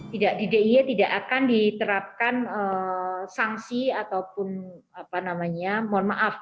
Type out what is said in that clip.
tidak di dia tidak akan diterapkan sanksi ataupun apa namanya mohon maaf